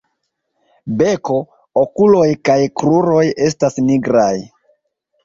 Beko, okuloj kaj kruroj estas nigraj.